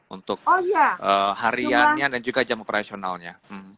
untuk hariannya dan juga jam operasionalnya